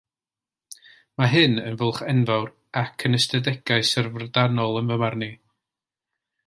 Mae hyn yn fwlch enfawr ac yn ystadegau syfrdanol yn fy marn i